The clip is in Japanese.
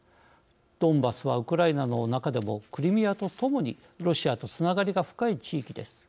ドンバスは、ウクライナの中でもクリミアとともにロシアとつながりが深い地域です。